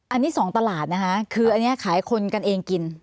อันนี้สองตลาดนะคะคืออันนี้ขายคนกันเองกิน